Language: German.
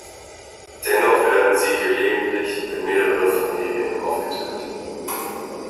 Dennoch werden sie gelegentlich in mehrere Familien aufgeteilt.